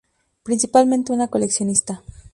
Principalmente un coleccionista.